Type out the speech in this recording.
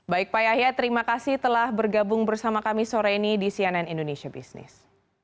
baik pak yahya terima kasih telah bergabung bersama kami sore ini di cnn indonesia business